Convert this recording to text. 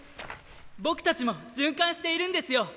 僕たちも循環しているんですよ。